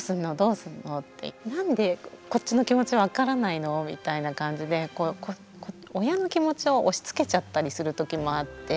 なんでこっちの気持ち分からないのみたいな感じで親の気持ちを押しつけちゃったりする時もあって。